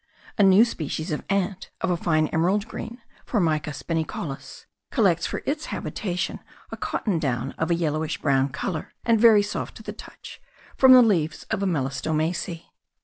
A new species of ant, of a fine emerald green (Formica spinicollis), collects for its habitation a cotton down, of a yellowish brown colour, and very soft to the touch, from the leaves of a melastomacea.